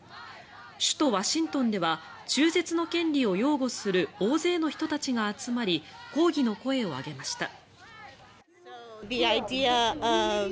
首都ワシントンでは中絶の権利を擁護する大勢の人たちが集まり抗議の声を上げました。